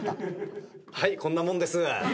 はいこんなもんです。